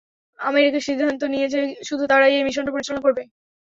America সিদ্ধান্ত নিয়েছে শুধু তারাই এই মিশনটা পরিচালনা করবে।